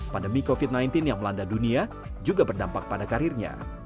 pandemi covid sembilan belas yang melanda dunia juga berdampak pada karirnya